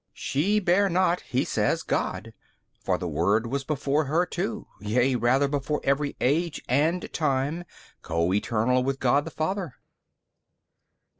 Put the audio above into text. B. She bare not (he says) God: for the Word was before her too, yea rather before every age and time, Co eternal with God the Father.